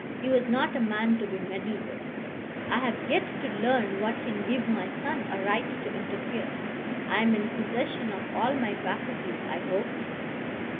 He was not a man to be meddled with. "I have yet to learn what can give my son a right to interfere. I am in possession of all my faculties, I hope."